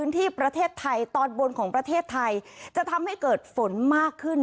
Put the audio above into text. แต่บนประเทศไทยจะทำให้เกิดฝนมากขึ้น